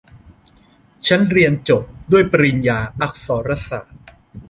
ฉันเรียนจบด้วยปริญญาอักษรศาสตร์